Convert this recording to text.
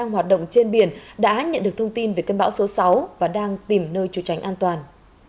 hoạt động trên biển đã nhận được thông tin về cơn bão số sáu và đang tìm nơi chủ tránh an toàn